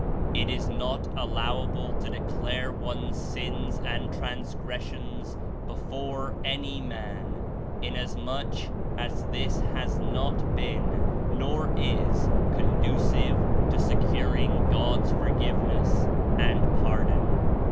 "It is not allowable to declare one's sins and trans gressions before any man, inasmuch as this has not been, nor is conducive to securing God's forgiveness and pardon.